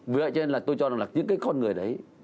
vì vậy cho nên là tôi cho rằng là những cái con người đấy